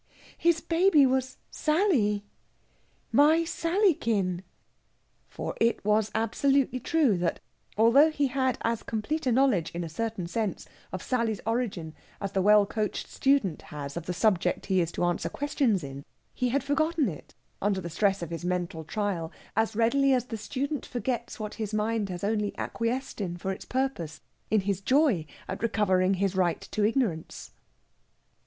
His baby was Sally my Sallykin!" For it was absolutely true that, although he had as complete a knowledge, in a certain sense, of Sally's origin as the well coached student has of the subject he is to answer questions in, he had forgotten it under the stress of his mental trial as readily as the student forgets what his mind has only acquiesced in for its purpose, in his joy at recovering his right to ignorance.